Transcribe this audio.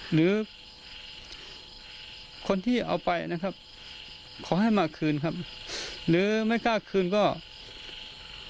หรือคนที่เอาไปนะครับขอให้มาคืนครับหรือไม่กล้าคืนก็